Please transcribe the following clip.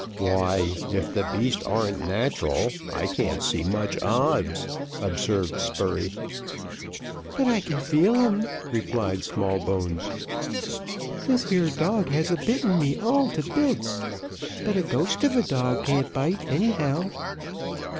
"Why, if the beast ar'n't natural, I can't see much odds," observed Spurey. "But I can feel 'em," replied Smallbones. "This here dog has a bitten me all to bits, but a ghost of a dog can't bite anyhow."